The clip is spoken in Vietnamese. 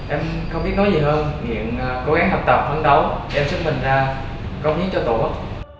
em không biết nói gì hơn nghiện cố gắng học tập phấn đấu em xin mình ra công nghiệp cho tổ quốc